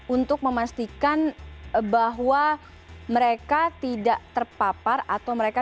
untuk memastikan bahwa mereka tidak terpapar atau mereka